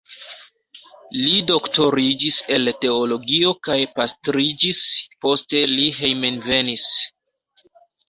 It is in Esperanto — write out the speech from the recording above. Li doktoriĝis el teologio kaj pastriĝis, poste li hejmenvenis.